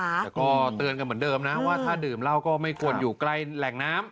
แต่ก็เตือนกันเหมือนเดิมนะว่าถ้าดื่มเหล้าก็ไม่ควรอยู่ใกล้แหล่งน้ำ